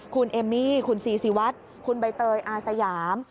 คุณเอมมี่คุณซีซีวัดคุณใบเตยอาสยาม